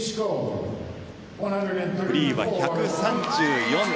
フリーは１３４．３２。